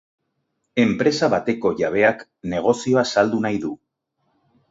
Enpresa bateko jabeak negozioa saldu nahi du.